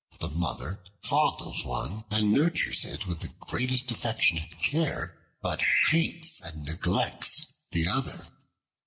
The Mother fondles one and nurtures it with the greatest affection and care, but hates and neglects the other.